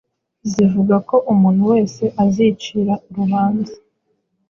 Zivuga ko «umuntu wese azicira urubanza